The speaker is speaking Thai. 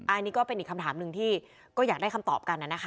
อันนี้ก็เป็นอีกคำถามหนึ่งที่ก็อยากได้คำตอบกันนะคะ